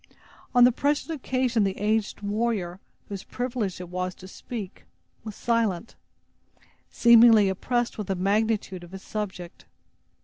On the present occasion, the aged warrior whose privilege it was to speak, was silent, seemingly oppressed with the magnitude of his subject.